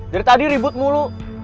dari tadi ribut mulu